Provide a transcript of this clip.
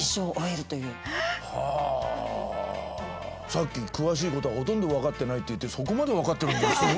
さっき詳しいことはほとんど分かってないっていってそこまで分かってるなんてすごい。